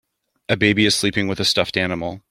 A baby is sleeping with a stuffed animal.